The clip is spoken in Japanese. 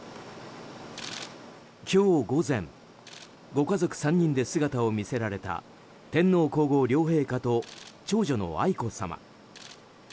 今日午前ご家族３人で姿を見せられた天皇・皇后両陛下と長女の愛子さま。